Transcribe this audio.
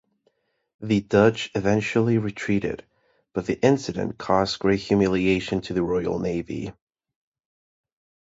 The Dutch eventually retreated, but the incident caused great humiliation to the Royal Navy.